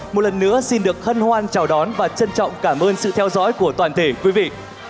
một lần nữa xin được hân hoan chào đón và trân trọng cảm ơn sự theo dõi của toàn thể quý vị